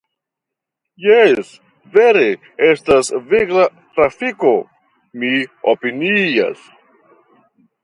Jes, vere estas vigla trafiko, mi opinias.